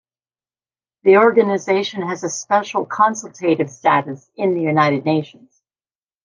The organization has a special consultative status in the United Nations.